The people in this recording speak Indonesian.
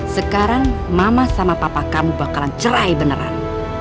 sekarang mama sama papa kamu bakalan cerai beneran